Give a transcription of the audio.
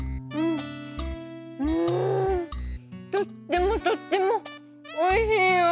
とってもとってもおいしいよ。